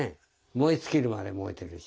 燃え尽きるまで燃えてるし。